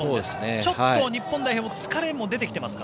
ちょっと日本代表疲れも出てきてますか。